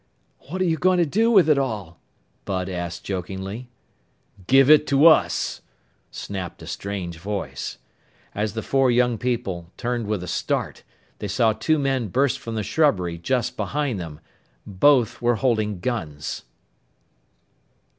"What are you going to do with it all?" Bud asked jokingly. "Give it to us!" snapped a strange voice. As the four young people turned with a start, they saw two men burst from the shrubbery just behind them. Both were holding guns!